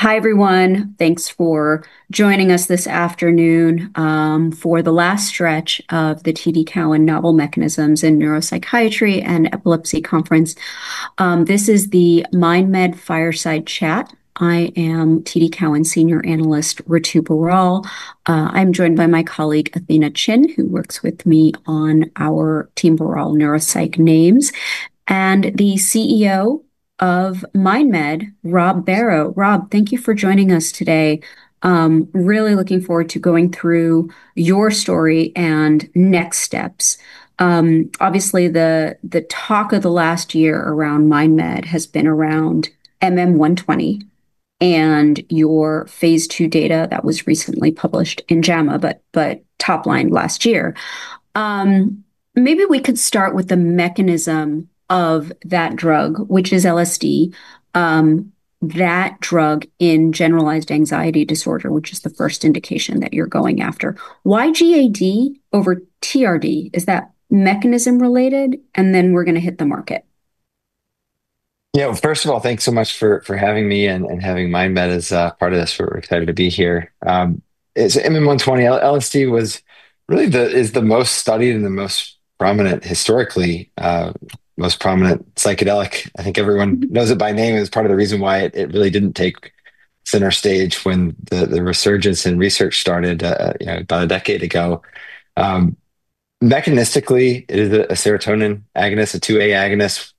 Hi everyone, thanks for joining us this afternoon for the last stretch of the TD Cowen novel mechanisms in neuropsychiatry and epilepsy conference. This is the MindMed Fireside Chat. I am TD Cowen Senior Analyst Ritu Bharal. I'm joined by my colleague Athena Chin, who works with me on our team Bharal neuropsych names, and the CEO of MindMed, Rob Barrow. Rob, thank you for joining us today. Really looking forward to going through your story and next steps. Obviously, the talk of the last year around MindMed has been around MM120 and your phase 2 data that was recently published in JAMA, but top line last year. Maybe we could start with the mechanism of that drug, which is LSD. That drug in generalized anxiety disorder, which is the first indication that you're going after. Why GAD over TRD? Is that mechanism related? Then we're going to hit the market. Yeah, first of all, thanks so much for having me and having Mind Medicine (MindMed) Inc. as a part of this. We're excited to be here. It's MM120. LSD was really the, is the most studied and the most prominent historically, most prominent psychedelic. I think everyone knows it by name. It was part of the reason why it really didn't take center stage when the resurgence in research started about a decade ago. Mechanistically, it is a serotonin 2A agonist.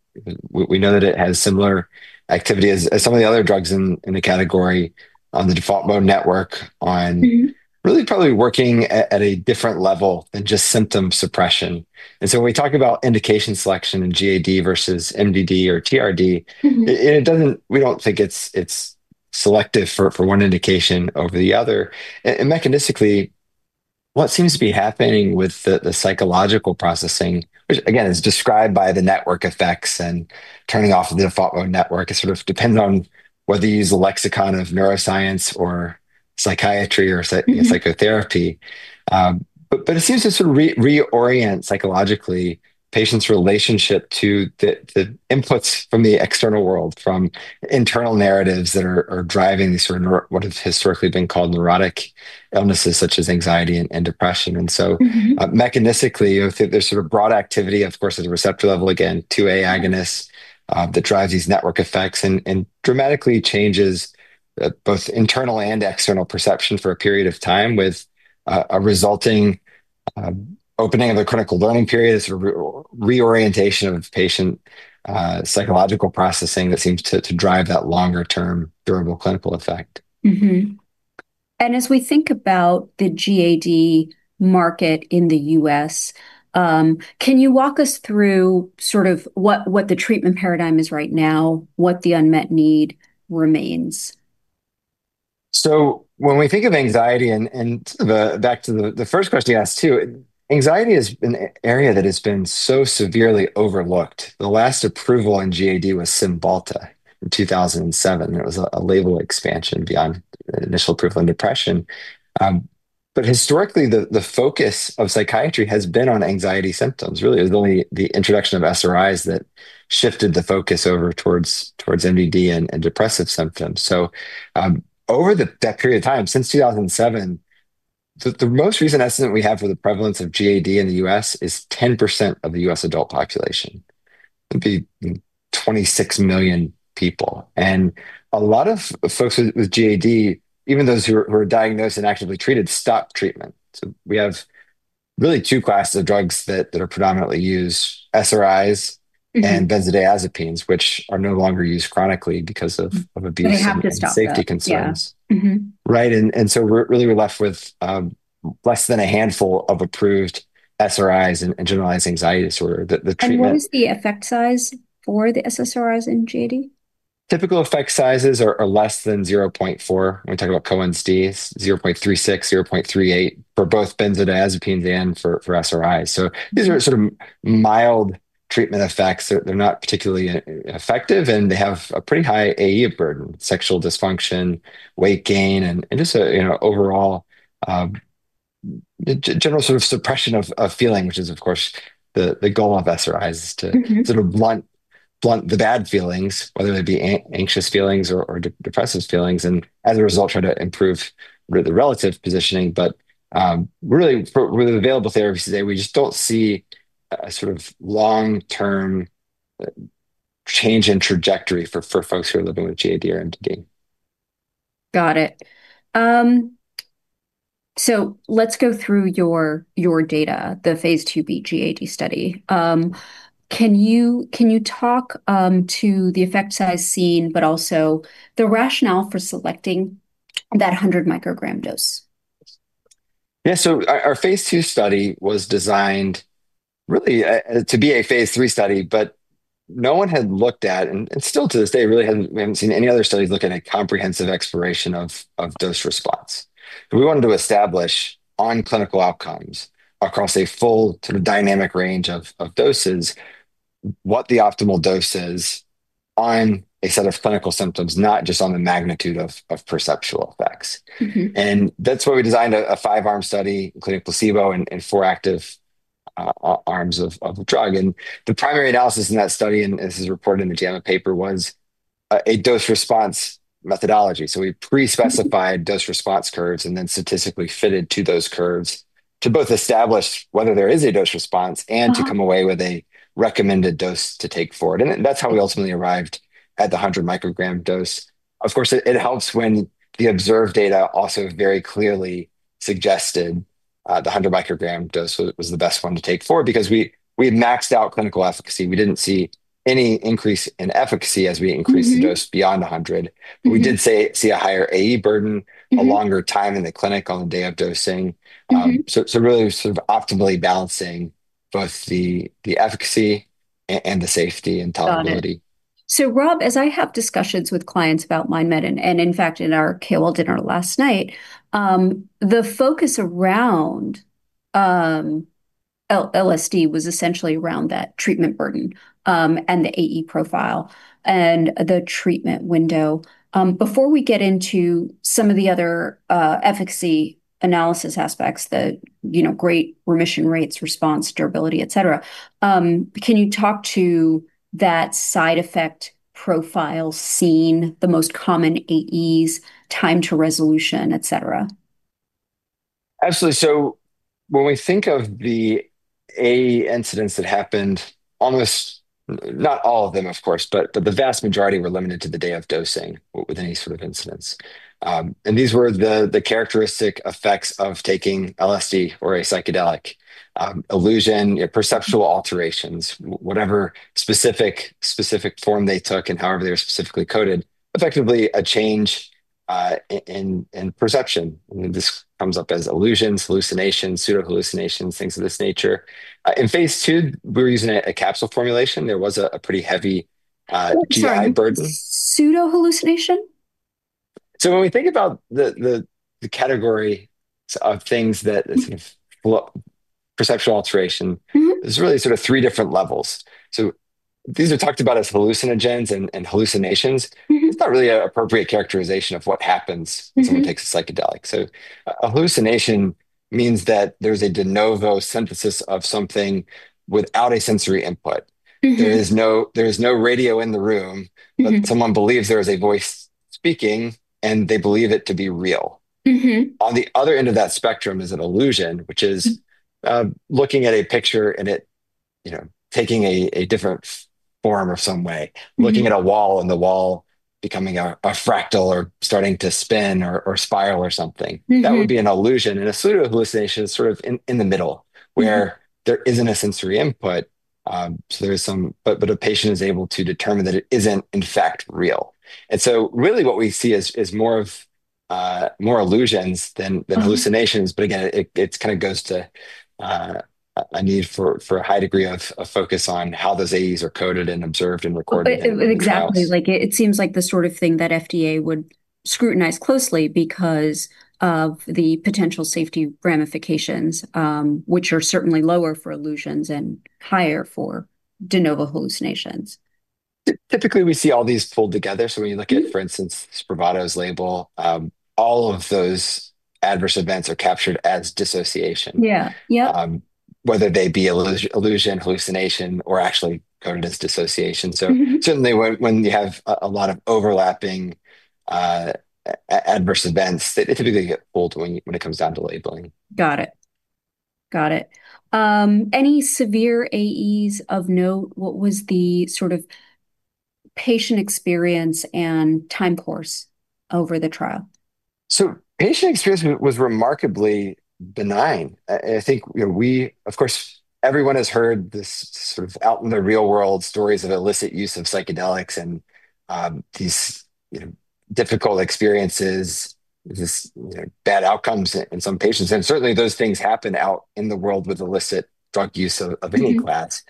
We know that it has similar activity as some of the other drugs in the category on the default mode network, on really probably working at a different level than just symptom suppression. When we talk about indication selection and generalized anxiety disorder (GAD) versus major depressive disorder (MDD) or treatment-resistant depression (TRD), we don't think it's selective for one indication over the other. Mechanistically, what seems to be happening with the psychological processing, which again is described by the network effects and turning off of the default mode network, it sort of depends on whether you use a lexicon of neuroscience or psychiatry or psychotherapy, but it seems to sort of reorient psychologically patients' relationship to the inputs from the external world, from internal narratives that are driving these sort of what have historically been called neurotic illnesses such as anxiety and depression. Mechanistically, there's sort of broad activity, of course, at a receptor level, again, 2A agonists, that drives these network effects and dramatically changes both internal and external perception for a period of time, with a resulting opening of the clinical learning period, a sort of reorientation of patient psychological processing that seems to drive that longer term durable clinical effect. Mm-hmm. As we think about the GAD market in the U.S., can you walk us through what the treatment paradigm is right now, what the unmet need remains? When we think of anxiety, and back to the first question you asked too, anxiety is an area that has been so severely overlooked. The last approval in GAD was Cymbalta in 2007. It was a label expansion beyond initial approval in depression. Historically, the focus of psychiatry has been on anxiety symptoms. Really, it was only the introduction of SRIs that shifted the focus over towards MDD and depressive symptoms. Over that period of time, since 2007, the most recent estimate we have for the prevalence of GAD in the U.S. is 10% of the U.S. adult population. That would be 26 million people. A lot of folks with GAD, even those who are diagnosed and actively treated, stop treatment. We have really two classes of drugs that are predominantly used, SRIs and benzodiazepines, which are no longer used chronically because of abuse and safety concerns. Mm-hmm. Right? We're left with less than a handful of approved SSRIs in generalized anxiety disorder that the treatment. What was the effect size for the SSRIs in GAD? Typical effect sizes are less than 0.4. We're talking about Cymbalta 0.36, 0.38 for both benzodiazepines and for SSRIs. These are sort of mild treatment effects. They're not particularly effective, and they have a pretty high AE burden, sexual dysfunction, weight gain, and just an overall, general sort of suppression of feeling, which is of course the goal of SSRIs to sort of blunt the bad feelings, whether it be anxious feelings or depressive feelings, and as a result try to improve the relative positioning. For really available therapies today, we just don't see a sort of long-term change in trajectory for folks who are living with GAD or MDD. Got it. Let's go through your data, the phase 2b GAD study. Can you talk to the effects I've seen, but also the rationale for selecting that 100 microgram dose? Yeah, so our phase 2b study was designed really to be a phase 3 study, but no one had looked at, and still to this day, really haven't seen any other studies looking at comprehensive exploration of dose response. We wanted to establish on clinical outcomes across a full kind of dynamic range of doses, what the optimal dose is on a set of clinical symptoms, not just on the magnitude of perceptual effects. That's why we designed a five-arm study, including placebo and four active arms of the drug. The primary analysis in that study, and this is reported in the JAMA paper, was a dose response methodology. We pre-specified dose response curves and then statistically fitted to those curves to both establish whether there is a dose response and to come away with a recommended dose to take forward. That's how we ultimately arrived at the 100 microgram dose. Of course, it helps when the observed data also very clearly suggested the 100 microgram dose was the best one to take forward because we maxed out clinical efficacy. We didn't see any increase in efficacy as we increased the dose beyond 100. We did see a higher AE burden, a longer time in the clinic on the day of dosing, so really sort of optimally balancing both the efficacy and the safety and tolerability. Rob, as I have discussions with clients about Mind Medicine (MindMed) Inc., and in fact in our KOL dinner last night, the focus around lysergic acid diethylamide (LSD) was essentially around that treatment burden, and the AE profile and the treatment window. Before we get into some of the other efficacy analysis aspects, the great remission rates, response, durability, et cetera, can you talk to that side effect profile seen, the most common AEs, time to resolution, et cetera? Absolutely. When we think of the AE incidents that happened, not all of them, of course, but the vast majority were limited to the day of dosing with any sort of incidents. These were the characteristic effects of taking LSD or a psychedelic: illusion, perceptual alterations, whatever specific form they took and however they were specifically coded, effectively a change in perception. This comes up as illusions, hallucinations, pseudohallucinations, things of this nature. In phase 2, we're using a capsule formulation. There was a pretty heavy GAD burden. Pseudohallucination? When we think about the category of things that sort of perceptual alteration, there's really sort of three different levels. These are talked about as hallucinogens and hallucinations. It's not really an appropriate characterization of what happens when someone takes a psychedelic. A hallucination means that there's a de novo synthesis of something without a sensory input. There is no radio in the room, but someone believes there is a voice speaking and they believe it to be real. On the other end of that spectrum is an illusion, which is looking at a picture and it, you know, taking a different form or some way, looking at a wall and the wall becoming a fractal or starting to spin or spiral or something. That would be an illusion. A pseudohallucination is sort of in the middle where there isn't a sensory input, so there is some, but a patient is able to determine that it isn't, in fact, real. Really what we see is more illusions than hallucinations. It kind of goes to a need for a high degree of focus on how those AEs are coded and observed and recorded. Exactly. It seems like the sort of thing that FDA would scrutinize closely because of the potential safety ramifications, which are certainly lower for illusions and higher for de novo hallucinations. Typically, we see all these fold together. When you look at, for instance, Cymbalta's label, all of those adverse events are captured as dissociation. Yeah, yeah. Whether they be illusion, hallucination, or actually coded as dissociation, when you have a lot of overlapping adverse events, it typically gets pulled when it comes down to labeling. Got it. Got it. Any severe AEs of note? What was the sort of patient experience and time course over the trial? Patient experience was remarkably benign. I think, you know, everyone has heard this sort of out in the real world stories of illicit use of psychedelics and these, you know, difficult experiences, these, you know, bad outcomes in some patients. Certainly those things happen out in the world with illicit drug use of any class.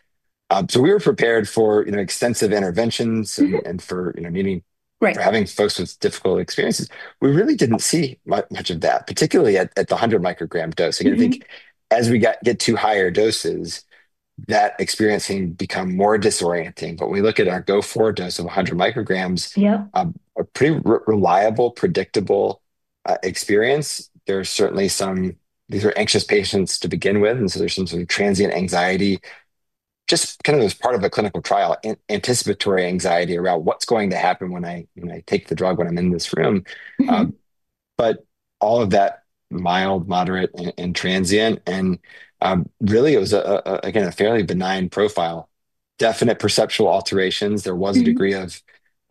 We were prepared for, you know, extensive interventions and for having folks with difficult experiences. We really didn't see much of that, particularly at the 100 microgram dose. I think as we get to higher doses, that experience can become more disorienting. When we look at our go forward dose of 100 micrograms, yeah, a pretty reliable, predictable experience. There's certainly some, these are anxious patients to begin with. There's some sort of transient anxiety, just kind of as part of a clinical trial, anticipatory anxiety around what's going to happen when I take the drug when I'm in this room. All of that mild, moderate, and transient. Really it was a, again, a fairly benign profile. Definite perceptual alterations. There was a degree of,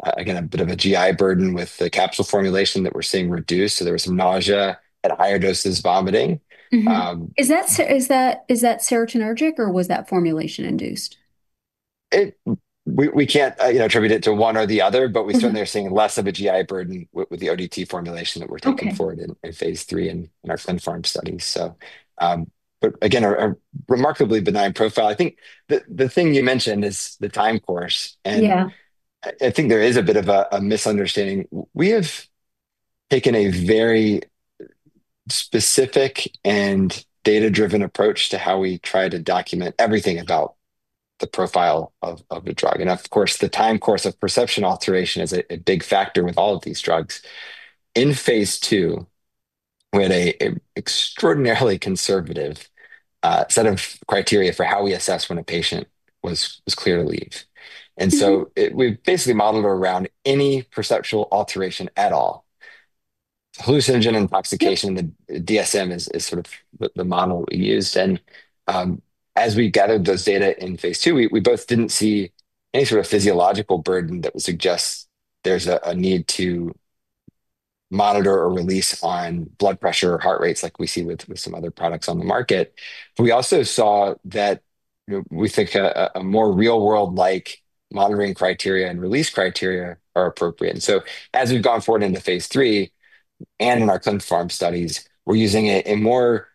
again, a bit of a GI burden with the capsule formulation that we're seeing reduced. There was some nausea at higher doses, vomiting. Is that serotonergic, or was that formulation induced? We can't attribute it to one or the other, but we certainly are seeing less of a GI burden with the ODT formulation that we're looking for in phase 3 in our ClinFarm study. Again, a remarkably benign profile. I think the thing you mentioned is the time course. Yeah, I think there is a bit of a misunderstanding. We have taken a very specific and data-driven approach to how we try to document everything about the profile of the drug. Of course, the time course of perception alteration is a big factor with all of these drugs. In phase 2, we had an extraordinarily conservative set of criteria for how we assess when a patient was clear to leave. We've basically modeled around any perceptual alteration at all. Hallucinogen intoxication and DSM is sort of the model we used. As we gathered those data in phase 2, we both didn't see any sort of physiological burden that would suggest there's a need to monitor or release on blood pressure or heart rates like we see with some other products on the market. We also saw that, you know, we think a more real-world-like monitoring criteria and release criteria are appropriate. As we've gone forward into phase 3 and in our ClinFarm studies, we're using a more,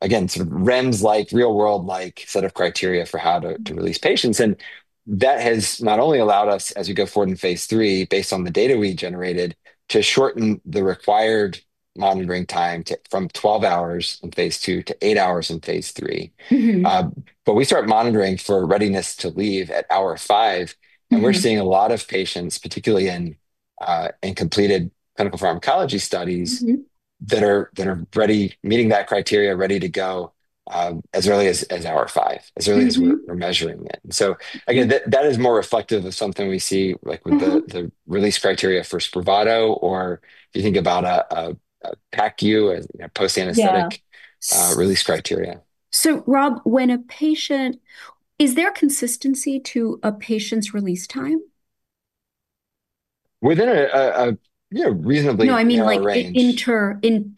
again, sort of REMS-like, real-world-like set of criteria for how to release patients. That has not only allowed us, as we go forward in phase 3, based on the data we generated, to shorten the required monitoring time from 12 hours in phase 2 to 8 hours in phase 3, but we start monitoring for readiness to leave at hour 5. We're seeing a lot of patients, particularly in completed clinical pharmacology studies, that are ready, meeting that criteria, ready to go as early as hour 5, as early as we're measuring it. That is more reflective of something we see like with the release criteria for Spravato or you think about a PACU, a post-anesthetic, release criteria. Rob, when a patient, is there consistency to a patient's release time? Within a reasonably. No, I mean like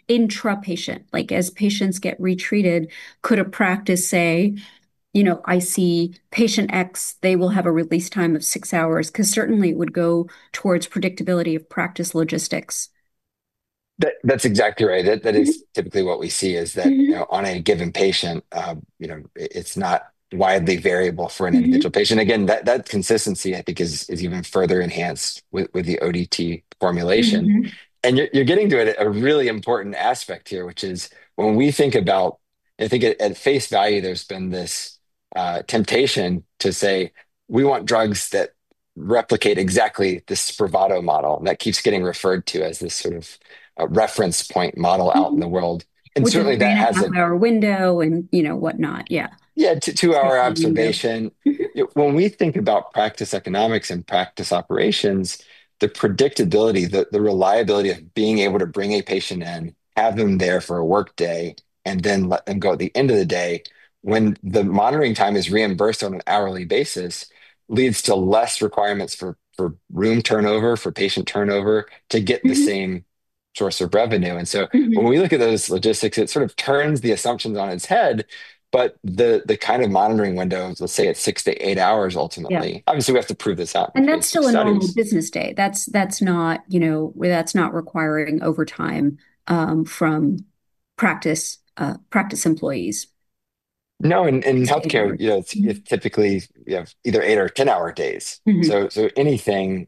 intra-patient, like as patients get retreated, could a practice say, you know, I see patient X, they will have a release time of six hours, because certainly it would go towards predictability of practice logistics. That's exactly right. That is typically what we see is that, you know, on a given patient, it's not widely variable for an individual patient. That consistency, I think, is even further enhanced with the ODT formulation. You're getting to a really important aspect here, which is when we think about, I think at face value, there's been this temptation to say we want drugs that replicate exactly this Spravato model. That keeps getting referred to as this sort of reference point model out in the world. That has an hour window and, you know, whatnot. Yeah, yeah, two-hour observation. When we think about practice economics and practice operations, the predictability, the reliability of being able to bring a patient in, have them there for a workday, and then let them go at the end of the day, when the monitoring time is reimbursed on an hourly basis, leads to less requirements for room turnover, for patient turnover, to get the same source of revenue. When we look at those logistics, it sort of turns the assumptions on its head, but the kind of monitoring window is, let's say, it's six to eight hours ultimately. Obviously, we have to prove this up. That’s still an hourly business day. That’s not requiring overtime from practice employees. No, and in healthcare, you know, it's typically, you know, either eight or 10-hour days. Anything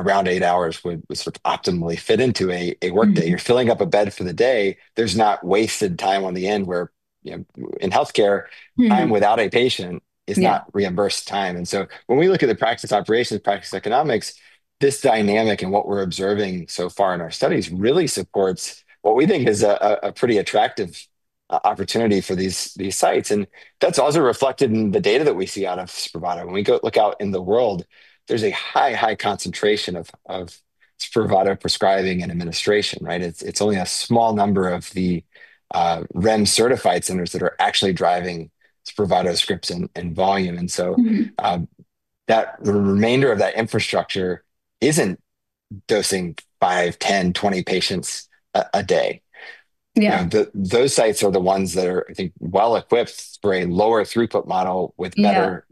around eight hours would sort of optimally fit into a workday. You're filling up a bed for the day. There's not wasted time on the end where, you know, in healthcare, time without a patient is not reimbursed time. When we look at the practice operations, practice economics, this dynamic and what we're observing so far in our studies really supports what we think is a pretty attractive opportunity for these sites. That's also reflected in the data that we see out of Spravato. When we go look out in the world, there's a high, high concentration of Spravato prescribing and administration, right? It's only a small number of the REM certified centers that are actually driving Spravato scripts and volume. The remainder of that infrastructure isn't dosing 5, 10, 20 patients a day. Those sites are the ones that are, I think, well equipped for a lower throughput model with better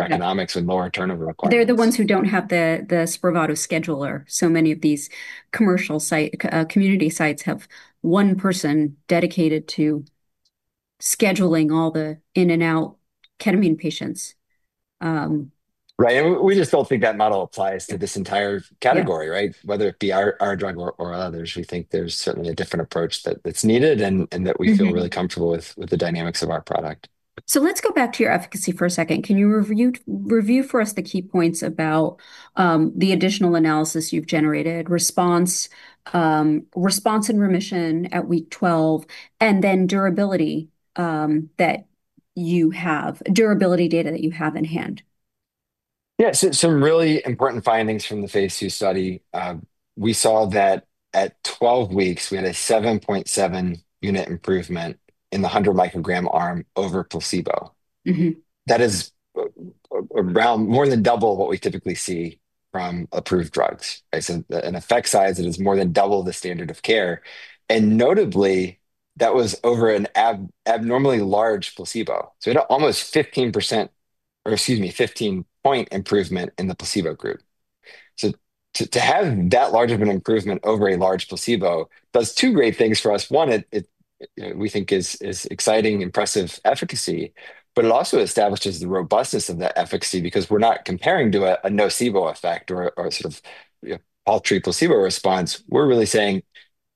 economics and lower turnover requirements. They're the ones who don't have the Spravato scheduler. Many of these commercial sites, community sites have one person dedicated to scheduling all the in and out ketamine patients. Right. We just don't think that model applies to this entire category, whether it be our drug or others. We think there's certainly a different approach that's needed, and we feel really comfortable with the dynamics of our product. Let's go back to your efficacy for a second. Can you review for us the key points about the additional analysis you've generated, response, response in remission at week 12, and then durability, that you have, durability data that you have in hand? Yeah, so some really important findings from the phase 2b study. We saw that at 12 weeks, we had a 7.7 unit improvement in the 100 microgram arm over placebo. Mm-hmm. That is around more than double what we typically see from approved drugs. I said an effect size that is more than double the standard-of-care. Notably, that was over an abnormally large placebo. It had almost a 15 point improvement in the placebo group. To have that large of an improvement over a large placebo does two great things for us. One, it, you know, we think is exciting, impressive efficacy, but it also establishes the robustness of that efficacy because we're not comparing to a nocebo effect or a sort of, you know, paltry placebo response. We're really saying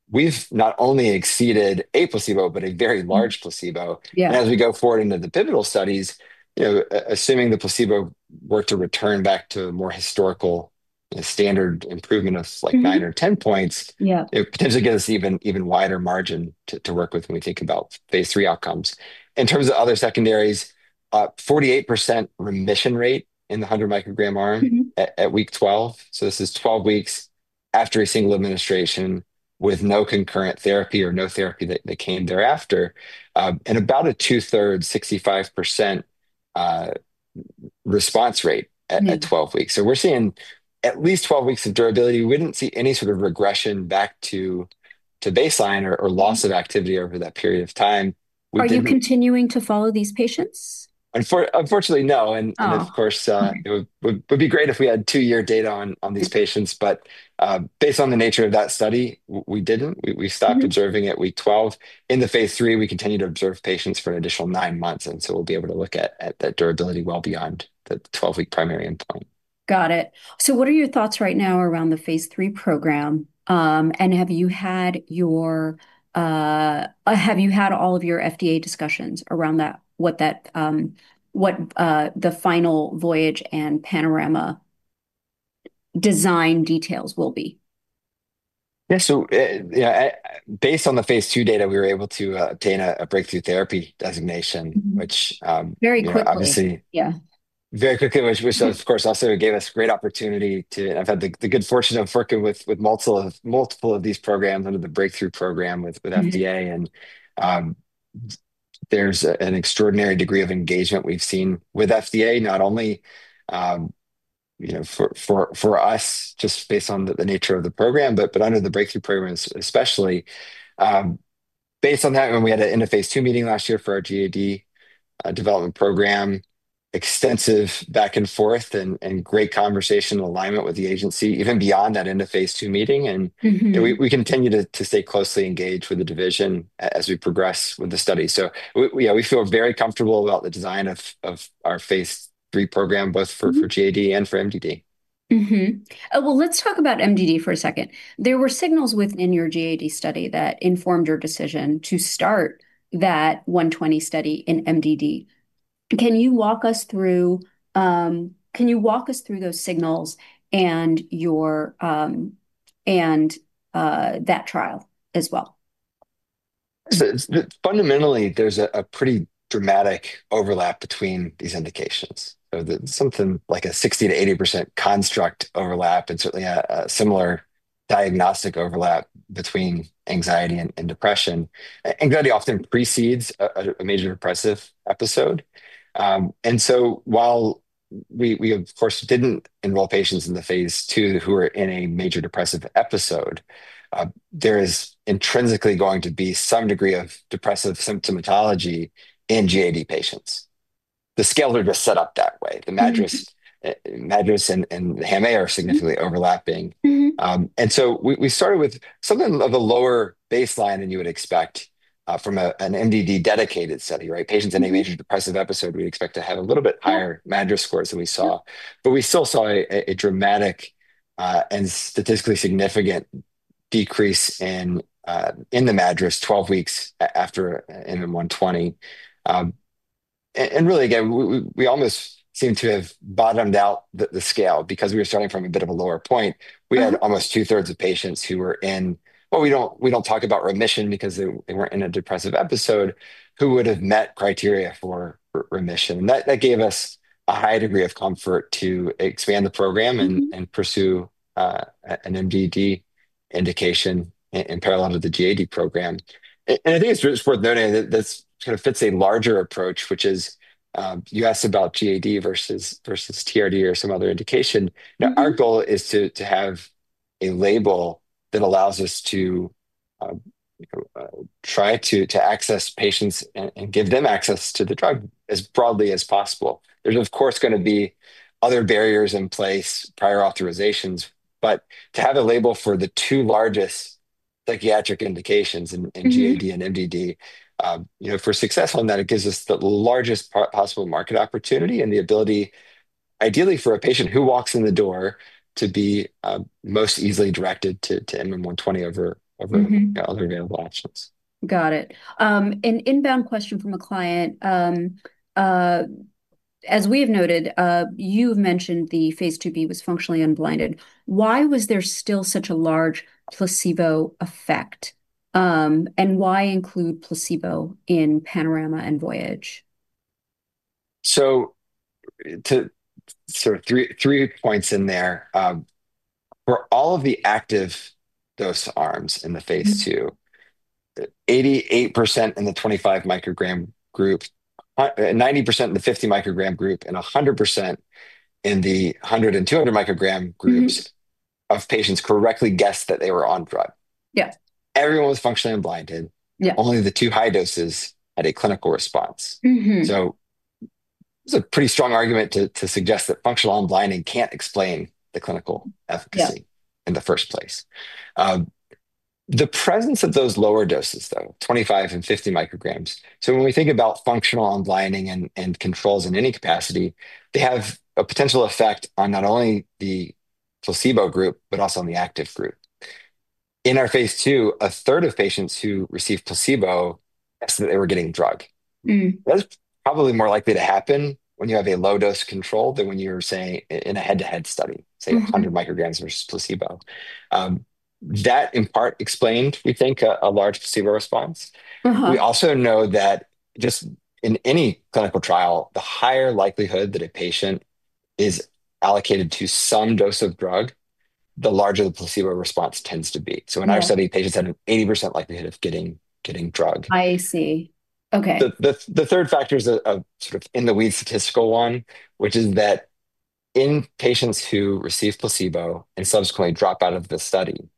we've not only exceeded a placebo, but a very large placebo. As we go forward into the pivotal studies, assuming the placebo were to return back to a more historical standard improvement of like 9 or 10 points, it would potentially give us an even wider margin to work with when we think about phase 3 outcomes. In terms of other secondaries, a 48% remission rate in the 100 microgram arm at week 12. This is 12 weeks after a single administration with no concurrent therapy or no therapy that came thereafter, and about a two-thirds, 65% response rate at 12 weeks. We're seeing at least 12 weeks of durability. We didn't see any sort of regression back to baseline or loss of activity over that period of time. Are you continuing to follow these patients? Unfortunately, no. Of course, it would be great if we had two-year data on these patients, but based on the nature of that study, we didn't. We stopped observing at week 12. In the phase 3, we continue to observe patients for an additional nine months, so we'll be able to look at that durability well beyond the 12-week primary endpoint. Got it. What are your thoughts right now around the phase 3 program? Have you had all of your FDA discussions around what the final Voyage and Panorama design details will be? Yeah, so based on the phase 2 data, we were able to obtain a breakthrough therapy designation, which, very quickly, which of course also gave us a great opportunity to, and I've had the good fortune of working with multiple of these programs under the breakthrough program with FDA. There's an extraordinary degree of engagement we've seen with FDA, not only for us, just based on the nature of the program, but under the breakthrough programs, especially. Based on that, when we had an interface two meeting last year for our GAD development program, extensive back and forth and great conversation alignment with the agency, even beyond that interface two meeting. We continue to stay closely engaged with the division as we progress with the study. We feel very comfortable about the design of our phase 3 program, both for GAD and for MDD. Let's talk about MDD for a second. There were signals within your GAD study that informed your decision to start that 120 study in MDD. Can you walk us through those signals and that trial as well? Fundamentally, there's a pretty dramatic overlap between these indications. So something like a 60% to 80% construct overlap and certainly a similar diagnostic overlap between anxiety and depression. Anxiety often precedes a major depressive episode, and so while we, of course, didn't involve patients in the phase 2b study who are in a major depressive episode, there is intrinsically going to be some degree of depressive symptomatology in generalized anxiety disorder patients. The scales are just set up that way. The MADRS and the HAM-A are significantly overlapping, and so we started with something of a lower baseline than you would expect from a major depressive disorder dedicated study, right? Patients in a major depressive episode, we expect to have a little bit higher MADRS scores than we saw. We still saw a dramatic and statistically significant decrease in the MADRS 12 weeks after MM120. Really, again, we almost seem to have bottomed out the scale because we were starting from a bit of a lower point. We had almost two-thirds of patients who were in, well, we don't talk about remission because they weren't in a depressive episode, who would have met criteria for remission. That gave us a high degree of comfort to expand the program and pursue a major depressive disorder indication in parallel to the generalized anxiety disorder program. I think it's really worth noting that this kind of fits a larger approach, which is, you asked about generalized anxiety disorder versus TRD or some other indication. Our goal is to have a label that allows us to try to access patients and give them access to the drug as broadly as possible. There's, of course, going to be other barriers in place, prior authorizations, but to have a label for the two largest psychiatric indications in generalized anxiety disorder and major depressive disorder, you know, if we're successful in that, it gives us the largest possible market opportunity and the ability, ideally for a patient who walks in the door, to be most easily directed to MM120 over other available options. Got it. An inbound question from a client. As we've noted, you've mentioned the phase 2b was functionally unblinded. Why was there still such a large placebo effect, and why include placebo in Panorama and Voyage? There are sort of three points in there. For all of the active dose arms in the phase 2, 88% in the 25 microgram group, 90% in the 50 microgram group, and 100% in the 100 and 200 microgram groups of patients correctly guessed that they were on the drug. Yeah. Everyone was functionally unblinded. Yeah. Only the two high doses had a clinical response. Mm-hmm. It is a pretty strong argument to suggest that functional unblinding can't explain the clinical efficacy in the first place. Yeah. The presence of those lower doses, though, 25 and 50 micrograms, when we think about functional unblinding and controls in any capacity, they have a potential effect on not only the placebo group, but also on the active group. In our phase 2, a third of patients who received placebo asked that they were getting drug. Mm-hmm. That's probably more likely to happen when you have a low dose control than when you're saying in a head-to-head study, say 100 micrograms versus placebo. That in part explained, we think, a large placebo response. Uh-huh. We also know that just in any clinical trial, the higher likelihood that a patient is allocated to some dose of drug, the larger the placebo response tends to be. Mm-hmm. In our study, patients had an 80% likelihood of getting drug. I see. Okay. The third factor is a sort of in the weeds statistical one, which is that in patients who receive placebo and subsequently drop out of the study,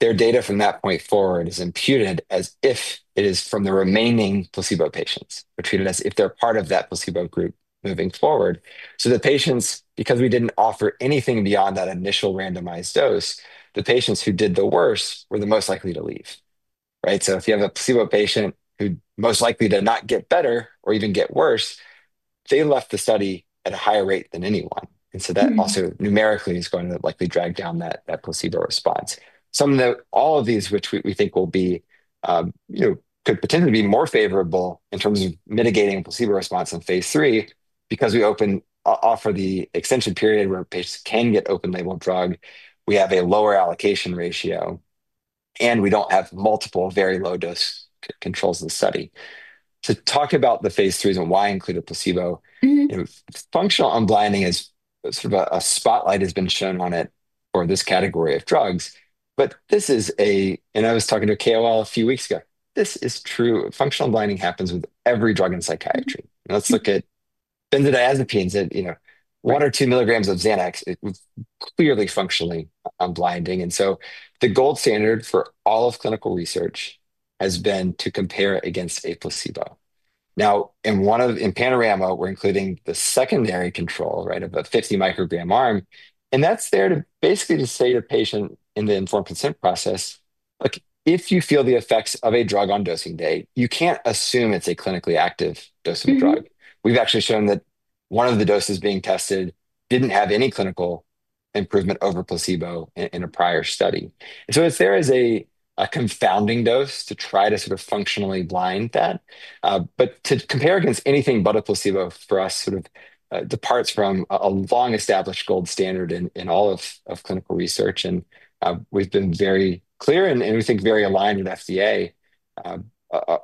their data from that point forward is imputed as if it is from the remaining placebo patients, imputed as if they're part of that placebo group moving forward. The patients, because we didn't offer anything beyond that initial randomized dose, the patients who did the worst were the most likely to leave. Right? If you have a placebo patient who most likely did not get better or even got worse, they left the study at a higher rate than anyone. That also numerically is going to likely drag down that placebo response. All of these, which we think could potentially be more favorable in terms of mitigating placebo response in phase three because we offer the extension period where patients can get open label drug. We have a lower allocation ratio and we don't have multiple very low dose controls in the study. To talk about the phase threes and why I included placebo, functional unblinding is sort of a spotlight has been shown on it for this category of drugs. I was talking to a KOL a few weeks ago, this is true. Functional unblinding happens with every drug in psychiatry. Let's look at benzodiazepines, you know, one or two milligrams of Xanax, it is clearly functionally unblinding. The gold standard for all of clinical research has been to compare it against a placebo. In one of, in Panorama, we're including the secondary control, right, of a 50 microgram arm. That's there to basically say to the patient in the informed consent process, if you feel the effects of a drug on dosing day, you can't assume it's a clinically active dosing drug. We've actually shown that one of the doses being tested didn't have any clinical improvement over placebo in a prior study. It's there as a confounding dose to try to sort of functionally blind that. To compare against anything but a placebo for us departs from a long established gold standard in all of clinical research. We've been very clear and we think very aligned with FDA,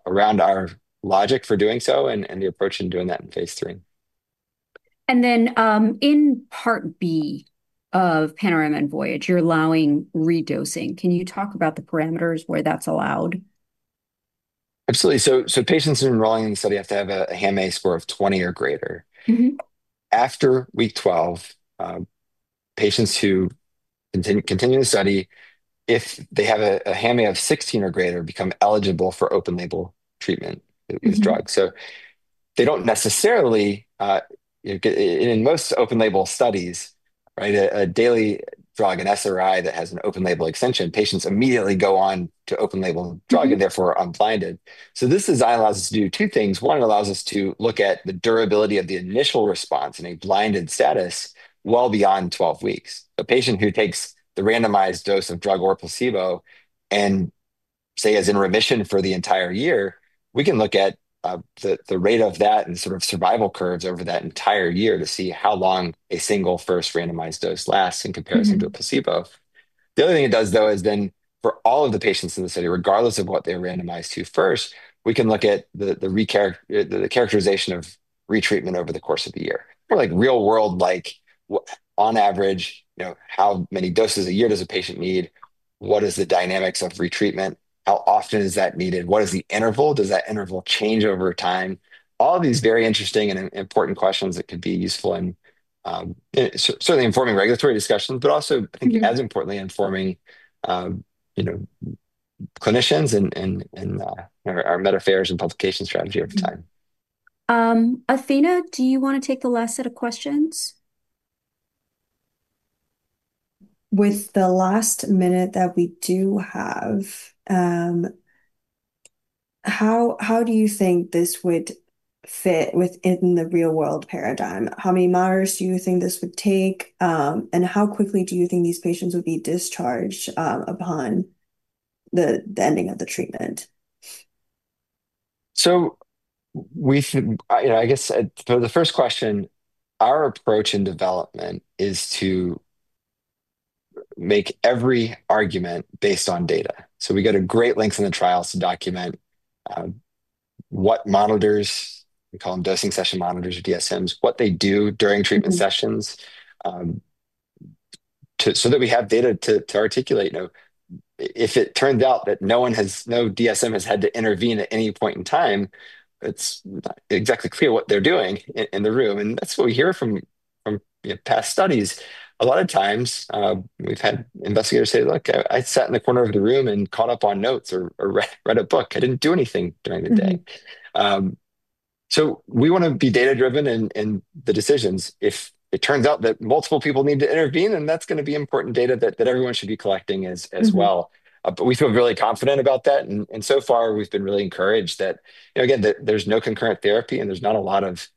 around our logic for doing so and the approach in doing that in phase three. In part B of Panorama and Voyage, you're allowing re-dosing. Can you talk about the parameters where that's allowed? Absolutely. Patients who are enrolling in the study have to have a HAM-A score of 20 or greater. Mm-hmm. After week 12, patients who continue the study, if they have a HAM-A of 16 or greater, become eligible for open label treatment with drugs. In most open label studies, a daily drug, an SSRI that has an open label extension, patients immediately go on to open label drug and therefore are unblinded. This design allows us to do two things. One allows us to look at the durability of the initial response in a blinded status well beyond 12 weeks. A patient who takes the randomized dose of drug or placebo and is in remission for the entire year, we can look at the rate of that and the sort of survival curves over that entire year to see how long a single first randomized dose lasts in comparison to a placebo. The only thing it does, though, is then for all of the patients in the study, regardless of what they're randomized to first, we can look at the characterization of retreatment over the course of the year. Like real world, like what on average, how many doses a year does a patient need? What is the dynamics of retreatment? How often is that needed? What is the interval? Does that interval change over time? All of these very interesting and important questions that could be useful in certainly informing regulatory discussions, but also I think as importantly informing clinicians and our meta-analyses and publication strategy over time. Athena, do you want to take the last set of questions? With the last minute that we do have, how do you think this would fit within the real world paradigm? How many monitors do you think this would take, and how quickly do you think these patients would be discharged upon the ending of the treatment? For the first question, our approach in development is to make every argument based on data. We go to great length in the trials to document what monitors, we call them dosing session monitors or DSMs, do during treatment sessions so that we have data to articulate. If it turns out that no one has, no DSM has had to intervene at any point in time, it's exactly clear what they're doing in the room. That's what we hear from past studies. A lot of times, we've had investigators say, look, I sat in the corner of the room and caught up on notes or read a book. I didn't do anything during the day. We want to be data-driven in the decisions. If it turns out that multiple people need to intervene, then that's going to be important data that everyone should be collecting as well. We feel really confident about that. So far, we've been really encouraged that, again, there's no concurrent therapy and there's not a lot of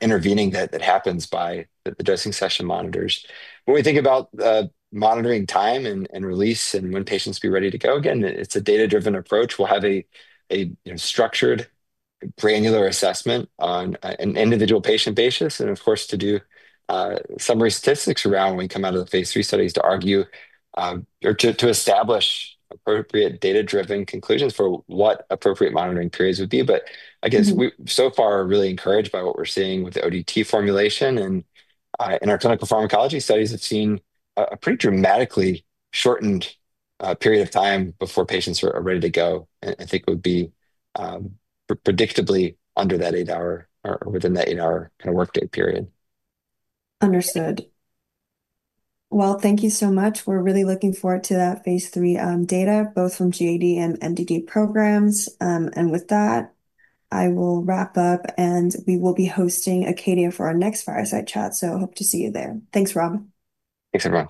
intervening that happens by the dosing session monitors. When we think about monitoring time and release and when patients will be ready to go, again, it's a data-driven approach. We'll have a structured, granular assessment on an individual patient basis. Of course, we will do summary statistics around when we come out of the phase 3 studies to argue or to establish appropriate data-driven conclusions for what appropriate monitoring periods would be. We so far are really encouraged by what we're seeing with the ODT formulation. In our clinical pharmacology studies, we've seen a pretty dramatically shortened period of time before patients are ready to go. I think it would be predictably under that eight hour or within that eight hour kind of workday period. Understood. Thank you so much. We're really looking forward to that phase 3 data, both from GAD and MDD programs. With that, I will wrap up and we will be hosting Acadia for our next fireside chat. I hope to see you there. Thanks, Rob. Thanks, everyone.